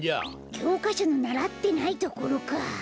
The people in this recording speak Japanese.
きょうかしょのならってないところか。